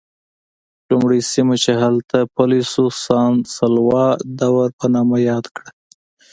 لومړی سیمه چې هلته پلی شو سان سولوا دور په نامه یاد کړه.